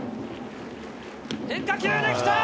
変化球できた！